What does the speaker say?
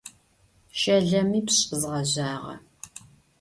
Şelemipş' zğezjağe.